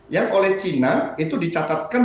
yang oleh china itu dicatatkan